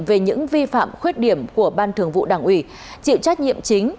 về những vi phạm khuyết điểm của ban thường vụ đảng ủy chịu trách nhiệm chính